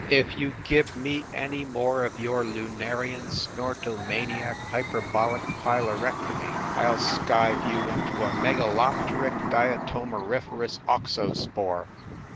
If you give me any more of your lunarian, snortomaniac hyperbolic pylorectomy, I ll skive you into a megalopteric diatomeriferous auxospore!